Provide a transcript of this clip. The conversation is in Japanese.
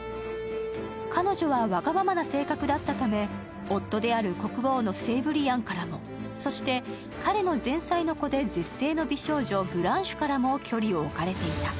彼女はわがままな性格だったため、夫である国王のセイブリアンからも、そして彼の前妻の子で絶世の美少女、ブランシュからも距離を置かれていた。